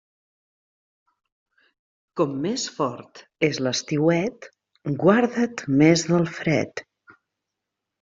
Com més fort és l'estiuet, guarda't més del fred.